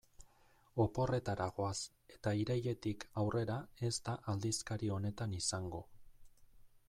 Oporretara goaz eta irailetik aurrera ez da aldizkari honetan izango.